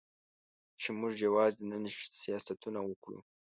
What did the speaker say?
چې موږ یوازې د نن سیاستونه وکړو.